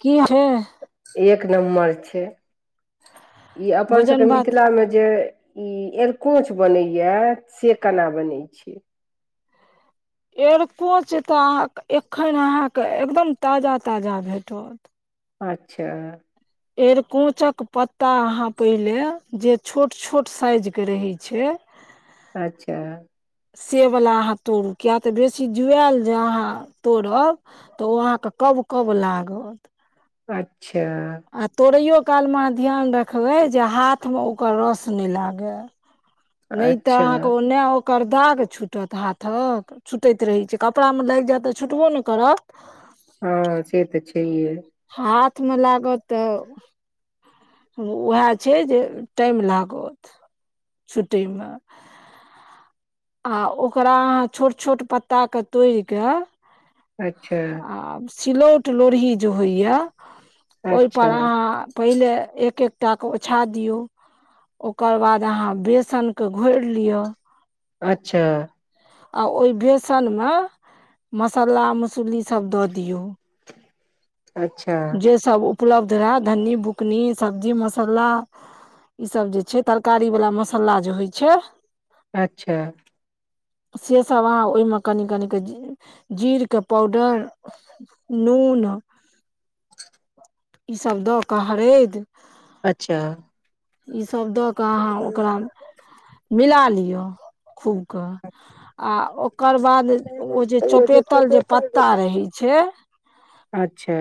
की छै एक नम्बर छै ई अपन भोजन सभके भात मिथिलामे जे ई आरकोच बनैए से केना बनै छै एरकोच तऽ अहाँ एखन अहाँके एकदम ताजा ताजा भेटत अच्छा एर कोचक पत्ता अहाँ पहिले जे छोट छोट साइजके रहैत छै अच्छा से वला अहाँ तोड़ू किय तऽ बेसी जुआएल जे अहाँ तोड़ब तऽ ओ अहाँके कब कब लागत अच्छा आ तोरहियौ त कालमे अहाँ ध्यान रखबै जे हाथमे ओकर रस नहि लागै। नहि तऽ अच्छा अहाँके ओन्ने करदाकेँ छूटत हाथक छूटैत रहै छै कपड़ामे लागि जायत तऽ छूटबो नहि करत हँ से तऽ छैे हाथ मे लागत तऽ उएह छै जे टाइम लागत सुूटीमे आ ओकरा अहाँ छोट छोट पत्ताके तोड़ि कऽ अच्छा आ सिलौट लोढ़ी जे होइए ओहिपर अच्छा अहाँ पहिले एक एक टाके ओछा दियौ ओकर बाद अहाँ बेसनकेँ घोरि लिअ अच्छा आ ओहि बेसनमे मसाला मसलीसभ दऽ दियौ अच्छा जे सभ उपलब्ध रहै धन्नी बुकनी सब्जी मसल्ला ईसभ जे छैय तरकारी वलाा मसाला जे होइ छैय अच्छा से सब अहाँ ओहिमे कनि कनि क जीरके पाउडर नून [inaudible] ईसभ दऽ कऽ हरैदि अच्छा ईसभ दऽ कऽ अहाँ ओकरा मिला लियौ खूबके आ ओकर बाद ओ जे चपेतल जे पत्ता रहे छैय अच्छा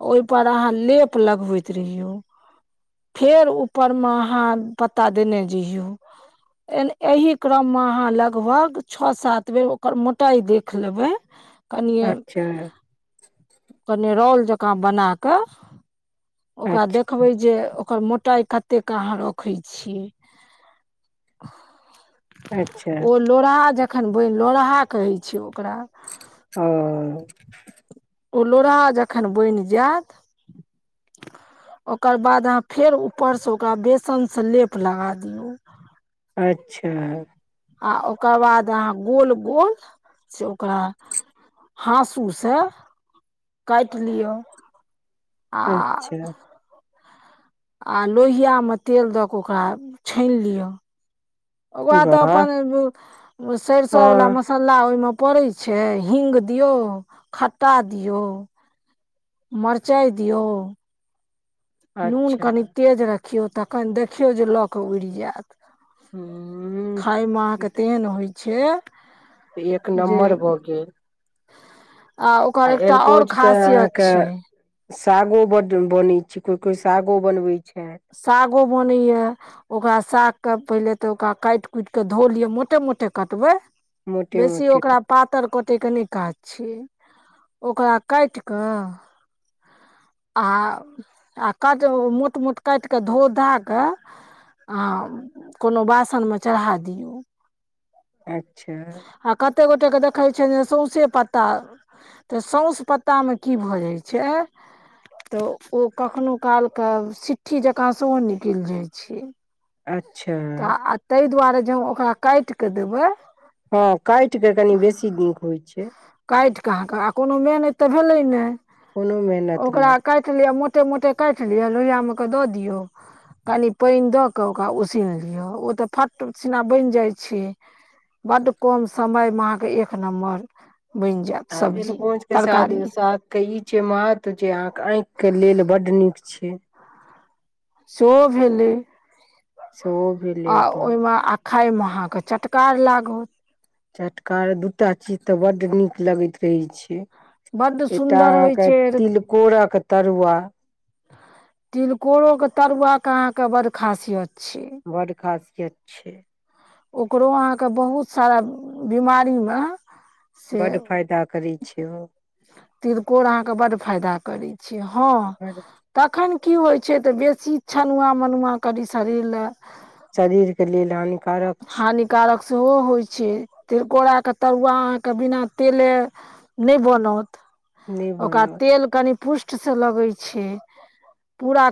ओहि पर अहाँ लेप लगबैत रहियौ। फेर ऊपरमे अहाँ पता देने जहियौ। एन एहि क्रममे अहाँ लगभग छओ सात बेर ओकर मोटाइ देख लेबै। कनिये अच्छा कनि रोल जकाँ बना कऽ ओकरा अच्छा देखबै जे ओकर मोटाइ कतेक के अहाँ रखै छियै। अच्छा ओ लोरहा जखन बनि लोहा कहै छयै ओकरा। ओ ओ लोढ़ा जखन बनि जायत [inaudible] ओकर बाद अहाँ फेर ऊपरसँ ओकरा बेसनसँ लेप लगा दियौ। अच्छा आ ओकर बाद अहाँ गोल गोल से ओकरा हाँसूसँ काटि लियौ। आ अच्छा आ लोहियामे तेल दऽ कऽ ओकरा छानि लिय। ओकरा तऽ वाह अपन सरिसोवला हँ मसाला ओहिमे पड़ै छैय हिंग दियौ खट्टा दियौ मरचाइ दियै नून अच्छा कनि तेज रखियौ तखन देखियौ जे लक उड़ि जायत। हूं खााय मे अहाँके तेहन होइ छैय। एक नम्बर भऽ गेल। ओकर आ एकटा आओर एरकोचके खासियत अहाँक छै सागो ब बने छैय कोई कोई सागो बनवे छैय। सागो बनैय ओकरा साग तब पहिले तऽ ओकरा काटि कुटिक धो लिअ मोटे मोटे कटबै मोटे बेसी मोटे ओकरा पातर क ओते क नहि काज छिय ओकरा काटि कऽ आ आ काटि मोट मोट काटि कऽ धो धा कऽ आ कोनो वासनमे चढ़ा दियौ। अच्छा कतेक गोटेकेँ देखै छियनि जे सौसे पत्ता तऽ सोस पत्तामे की भऽ जाइ छैय तऽ ओ कखनो कालके सिट्ठी जकाँ सेहो निकलि जाइत छैय। अच्छा तऽ आ ताहि दुआरे जे ओकरा काटि कऽ देबै। [inaudible] कह आ कोनो मेहन तऽ भेलै ने कोनो मेहनत नहि ओकरा काटि लि मो मोटे मोटे काटि लिय लोहिया मे के द दियऔ कनि पानि द के ओकरा उ सन लिअ ओ तऽ फट सिना बनि जाइ छैय। बड कम समयमे अहाँके एक नम्बर बनि जायत आ सब्जी एकोच के साग तरकारी साग के ई छैय महत्व जे आँखि के लेल बड नीक छैय। छैय सेहो भेलै सेहो भेलै अपन खाइमे अहाँके चटकार लागत। चटका दू टा चीज तऽ बड नीक लगैत रहैत छैय। बड्ड एकटा सुन्दर होइ अहाँके छै तिलकोरक तरुआ। तिलकोरोक के तरुआक अहाँके ब खासियत छै बड खासियत छैय। ओकरो अहाँके बहुत सारा बीमारी म बड्ड फायदा करैत छिय ओ तिलकोर अहाँके बड फायदा करै छैय हँ बड तखन की होइ छैय तऽ बेसी छनुआ मनुआ कनी शरीर ल शरीर के लेल हानिकारक हानिकारक सेहो होइ छैय। तिलकोराके तरुआ अहाँके बिना तेले नहि बनत। छै नहि ओकरा बनल तेल कनी पुष्टसँ लगै छैय।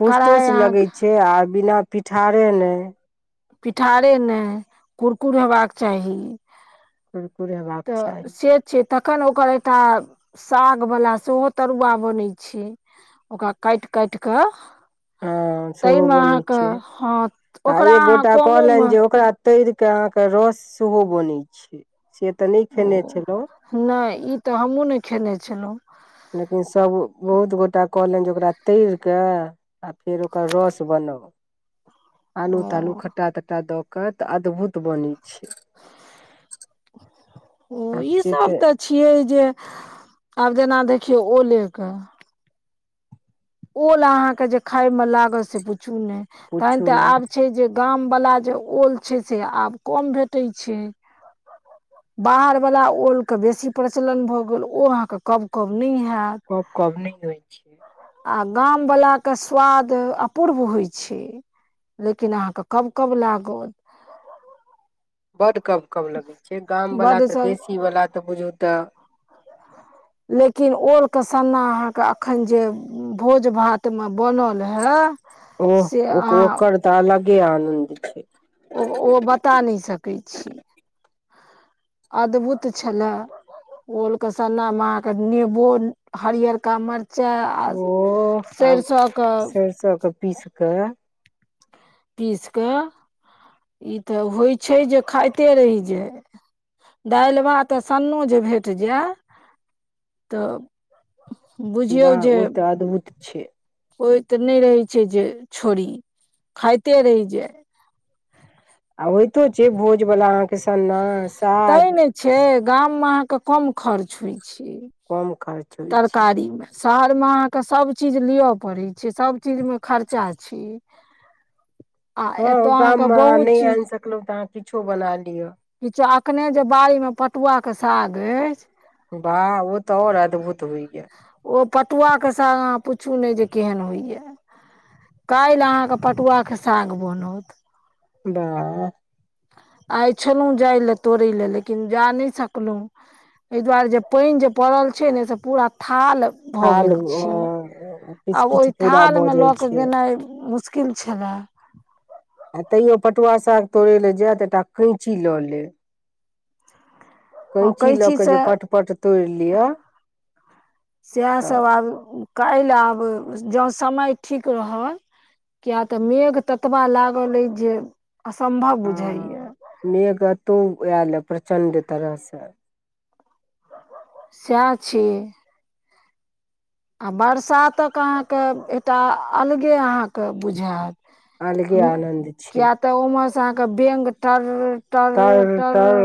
पुस्टोसँ लगै छैय आ बिना पिठारे नहि। पिठारे नहि कुरकुर हेबाक चाही। कुरकुर हेबाक तऽ चाही। से छै तखन ओकर एकटा साग वला सेहो तरुआ बनैत छैय। ओ काइट काइट क हँ सेहो बनैत छैय हँ आ ओकरा एक अहाँ गोटा कहलनि कमोमे जे ओकरा तइर के अहाँ के रस सेहो बनैत छैय। नहि ई तऽ हमहुँ ने खेने छलहुँ। लेकिन सभ बहुत गोटा कहलनि जे ओकरा तर कऽ आ फेर ओकर रस बनाउ। आलू तालू खट्टा तट्टा द के तऽ अद्भुत बनी। ओ आब ई से सब तऽ छियै जे आब जेना देखियौ ओले क ओल अहाँके जे खाायमे लागत से पुछू नहि तहन पूछू तऽ नहि आब छै जे गाम वला जे ओल छैय से आब कम भेटै छैय। बाहर वला ओल के बेसी प्रचलन भऽ गेल ओ अहाँके कब कब नहि हे कब कब नहि होइ छियै। आ गामवलाके स्वाद अपूर्व होइ छैय। लेकिन अहाँके कब कब लागत। [inaudible] बड्ड कब कब लगै छैय गामवला बड्ड तऽ सँ देशीवला तऽ बुझू तऽ लेकिन ओल के सन्ना अहाँके एखन जे भोज भात मे बनल है से अहाँ आनन्दित छैय। ओ ओ बता नहि सकैत छी। अद्भुत छलए। ओल के सन्ना मे अहा के नेबो हरीयका मिर्चाय ओ मिर्चा आ सरिसो के सरसो के पीस के पीस कऽ ई तऽ होइ छैय जे खाइते रहि जाय। दाल भात तऽ सन्नो जे भेट जाय तऽ वाह ओ तऽ अद्भुत छैय। हो तऽ नहि रहै छैय जे छोड़ी खाइते रहि जाय। आ होइतो छैय भोजवला अहाँके सन्नास तैं ने छैय गाममे अहाँके कम खर्च होइ खर्च होइ छै तरकारीमे शहरमे अहाँके सब चीज लियअ पड़ै छै सब चीजमे खर्चा छै आ एतय हँ अहाँके गाममे अहां बहुत नहि चीज आनि सकलहु तऽ अहाँ किछो बना‌ लिय किछो अखने जे बाड़ी मे पटुआ के साग अछि बाह ओ तऽ आओर अदभुत ओ पटुआ के साग अहां पु छू नहि जे केहन होइया काल्हि अहाँके पटुआ के साग बनत वाह आइ छलहुँ जाय लए तोड़य लए लेकिन जा नहि सकलहुँ एहि दुआरे जे पानि जे पड़ल छै ने से पूरा था थाल भ थाल गेल छै आ किछु ओहि किछु पूरा भऽ थालमे जाइ लऽ कऽ छै गेनाइ मुशकील श्किल छला आ तैओ पटुआ साग तोड़य लेल जाय त एकटा कैँची लऽ लेब हँ कैंची लऽ कऽ से जे पटपट तोड़ि लिअ सएह तऽ सभ आब काल्हि आब जँ समय ठीक रहल किया तऽ मेघ ततबा लागल ऐ जे असम्भव ह बुझाइए मेघ एतहु आयलए प्रचण्ड तरहसँ सएह छै आ बरसातक अहाँके एकटा अलगे अहाँके बुझायत अलगे आनंद छै किया तऽ ओमे से अहाँके बेंग टर ट् र तर टर तर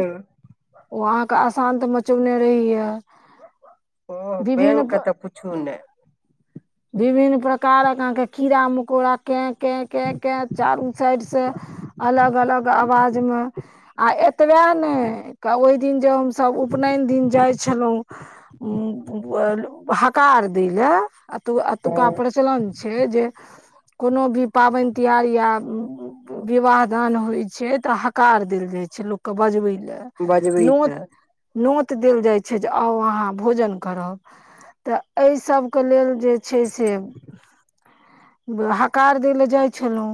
ओ अहाँके असान्त मचौने रहैया ओ विभिन्न बेंगके तऽ पुछू नै विभिन्न प्रकारक अहाँके कीड़ा मकोड़ा केैं केै केैं केै चारू साइड से अलग अलग आवाजमे आ एतबे ने ओहि दिन जे हम सभ उपनयन दिन जाइ छलहुँ उ हकार दै ले एतुका प्रचलन छै जे कोनो भी पाबनि तिहार या विवाह दान होइ छै तऽ हकार देल जाय छै लोक के बजबै लए नोत बजबैके नोत देल जाइ छै जे आउ अहाँ भोजन करब तऽ एहि सबके लेल जे छै से हकार दै लए जाइ छलहुँ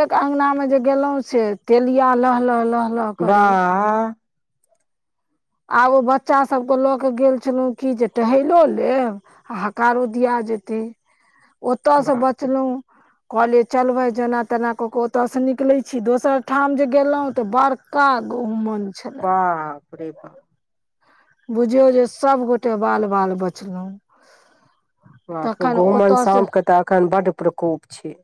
एक अंगना मे जे गेलहुं से तेलिया लहल लह लह करै बाह आब ओ बच्चा सबके लऽ के गेल छलहुँ की जे टहलो लेब आ हकारो दिया जेथी [inaudible] ओतय से बाप रे बचलहुँ कहलियै चल भाय जेना तेना क के ओतय से निकले छी दोसर ठाम जे गेलोऔं त बड़का घहुमन बाप रे बा बुझियौ जे सभगोटे बाल बाल बचलहुँ बाप रे तखन गहुमन ओतयसँ सांपके तऽ एखन बड्ड प्रकोप छै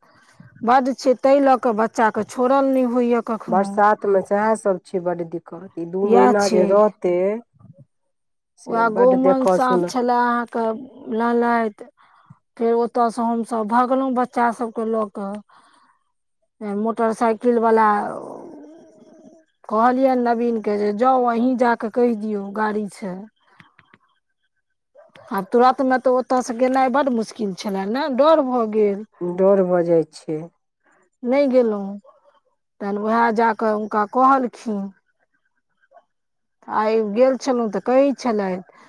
बड्ड छै ताहि लऽ के बच्चा के छोड़ल नहि होइए कखनहु बरसातमे सएहसभ छै बड्ड दिक्कत ई दू इएह महीना जे रहतै से वएह बड्ड गहुमन देखऽ सांप सुनऽ छलए अहाँके लहलहाइत ओतयसँ हमसभ भगलहुॅँ बच्चा सभके लऽ कऽ मोटरसाइकिल वला कहलियनि नवीन के जे जाउ अहीं जाक' कहि दियौ गाड़ी छै आब तुरतमे तऽ ओतय से गेनाइ बड मुश्किल छलय ने डर भऽ गेल डर भऽ जाय छै नहि गेलहुँं तहन उएह जा कऽ हुनका कहलखिन। आइ गेल छलहुँ तऽ कहै छलथि।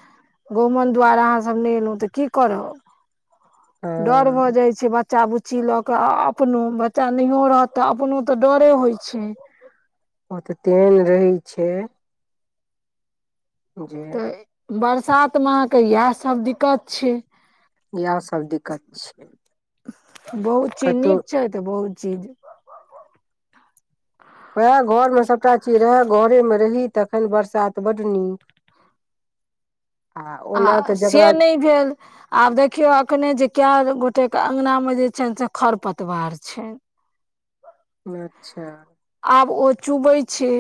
गहुमन द्वार अहाँ सब नहि एलहु तऽ की करब डर भऽ हँ जाइ छैय ब बच्चा बुच्ची लऽ कऽ अपनो बच्चा नहियो रहत तऽ अपनो तऽ डरे होइ छैय। ओ तऽ तेन रहै छैय जे बरसात में अहाँके इएह सब दिक्कत छैय। इएह सब दिक्कत छै बहुत चि कतहु नीक छैय तऽ बहुत चीज वएह घर में सबटा चीज रहे घरे मे रही। तखन बरसात बड्ड नीक। आ ओना आ तऽ जकरा से नहि भेल आब देखियौ एखने जे कए गोट ओते के अंगना मे जे छनि से खर पतवार छनि। अच्छा आब ओ चूबै छैय।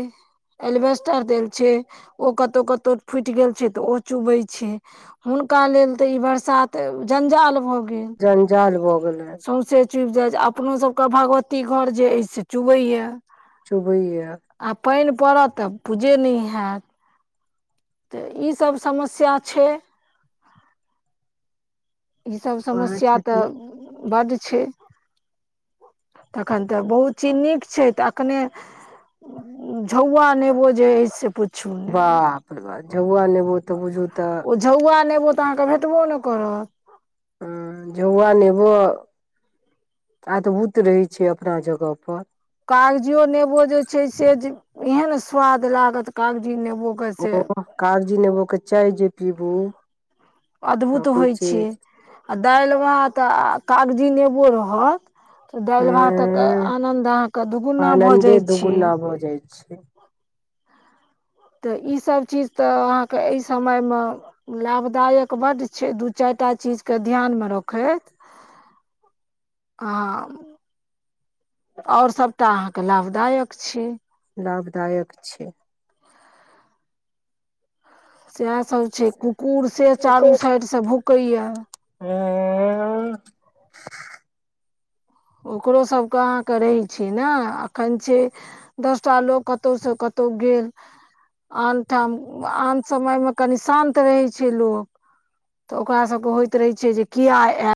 एलवेस्टर देल छैय ओ कतौ कतौ फुटि गेल छैय तऽ ओ चुबै छैय। नका लेल ते ई बरसात जंजाल भ जञजाल भऽ गेलै। चुबि जाइत अपनोसभके भगवती घर जे अछि से चुबैय। चुभी या पानि पड़त तऽ पूजे नहि हैत। तऽ ईसभ समस्या छैय। ईसभ वएह समस्या तऽ छथिन बड्ड छैय। तखन तऽ बहुत चीनीक छैय तऽ अखने झौआ नेबो जे से प बाप र बाप जब आ नेब त ओ झौआ नेबो तऽ अहाँके भेटबो ने करत। ह जौआ नेब आ तऽ ओ त रहै छैय अपना जगह पर। कागजियो नेबो जे छैय से एहन स्वाद लागत कागजी नेबो ओ कागजी नेबो के जे चाय पीबू तऽ अद्भुत होइ छैय छै आ दालि वहाँ तऽ कागजी नेबो रहत तऽ दालि भातक आनन्द अहाँके दुगुना आनन्दे भऽजैत छैय। दुगुना भऽ [inaudible] तऽ ईसभ चीज तऽ अहाँके एहि समयमे लाभदायक बड्ड छै दू चारि टा चीज के ध्यान मे रखैत [inaudible] हँ आओर सभटा अहाँके लाभदायक छैय। लाभदायक छैय। सएहसभ छैय कुकुर से चारू साइडसँ भूकैए। ह ओकरोसभके अहाँके रहैत छैय ने एखन छै दसटा लोक कतहुसँ कतहु तौ गेल गेल आन ठाम आन समयमे कनि शान्त रहै छैय लोक। तऽ ओकरा सबके होइत रहे छैय जे किया आय